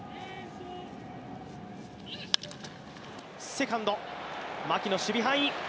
セカンド、牧の守備範囲。